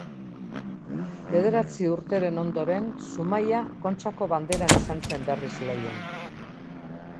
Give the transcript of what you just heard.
Bederatzi urteren ondoren Zumaia Kontxako Banderan izan zen berriz lehian.